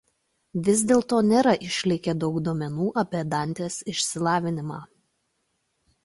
Vis dėlto nėra išlikę daug duomenų apie Dantės išsilavinimą.